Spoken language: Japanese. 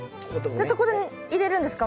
じゃあそこで入れるんですか？